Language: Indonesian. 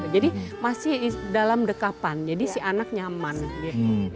jadi masih dalam dekapan jadi si anak nyaman gitu